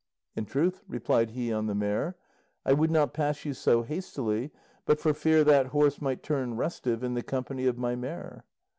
"In truth," replied he on the mare, "I would not pass you so hastily but for fear that horse might turn restive in the company of my mare."